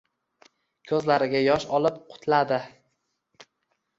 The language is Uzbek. Ko‘zlariga yosh olib qutladi.